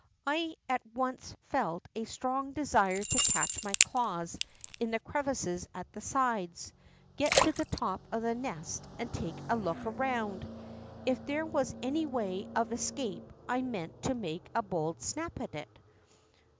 I at one© felt a strong desire to catch my claws in the crevices at the sides, get to the top of the nest and take a look around. If there was any way of escape I meant to make a bold snap at it.